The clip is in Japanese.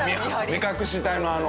目隠し隊のあの。